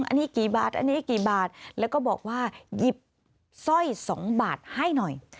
อันนี้กี่บาทอันนี้กี่บาทแล้วก็บอกว่าหยิบสร้อย๒บาทให้หน่อย